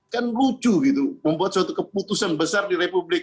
kan lucu gitu membuat suatu keputusan besar di republik